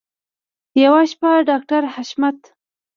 یوه شپه ډاکټر حشمت